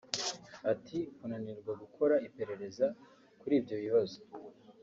Ati “Kunanirwa gukora iperereza kuri ibyo bibazo